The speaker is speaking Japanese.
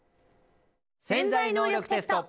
「潜在能力テスト」。